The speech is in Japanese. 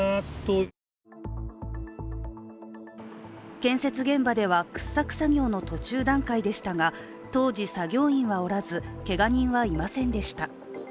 建設現場では、掘削作業の途中段階でしたが、当時、作業員はおらず、けが人はいませんでした。